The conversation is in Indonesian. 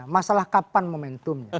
masalah kapan momentumnya